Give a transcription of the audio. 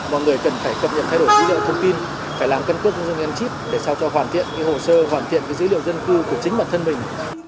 mọi người cần phải cập nhật thay đổi dữ liệu thông tin phải làm cân cước dân nhân chip để sao cho hoàn thiện cái hồ sơ hoàn thiện cái dữ liệu dân cư của chính bản thân mình